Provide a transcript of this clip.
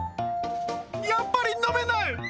やっぱり飲めない。